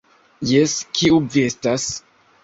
Jes, kiu vi estas?